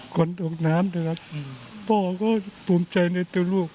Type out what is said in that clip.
คนตกน้ำพ่อก็ภูมิใจในตัวลูก